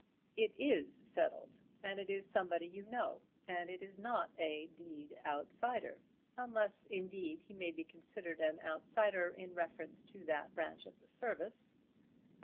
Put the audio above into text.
"It is settled; and it is somebody you know; and it is not a d outsider; unless, indeed, he may be considered to be an outsider in reference to that branch of the service."